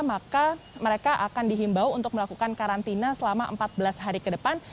maka mereka akan dihimbau untuk melakukan karantina selama empat belas hari ke depan